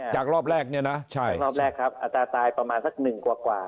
จากรอบแรกเนี่ยนะรอบแรกครับอัตราตายประมาณสักหนึ่งกว่า